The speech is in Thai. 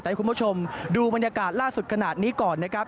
ให้คุณผู้ชมดูบรรยากาศล่าสุดขนาดนี้ก่อนนะครับ